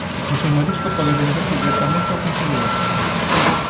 O seu marisco pode venderse directamente ao consumidor.